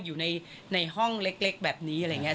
อยู่ในห้องเล็กแบบนี้อะไรอย่างนี้